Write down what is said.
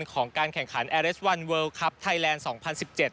ของการแข่งขันแอร์เรสวันเวิร์ลคับไทยแลนด์๒๐๑๗